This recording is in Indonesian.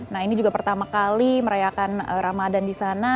nah ini juga pertama kali merayakan ramadhan di sana